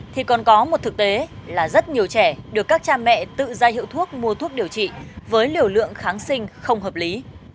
thì còn có một thực tế là rất nhiều trẻ được các cha mẹ tự ra hiệu thuốc mua thuốc điều trị với liều lượng kháng sinh không hợp lý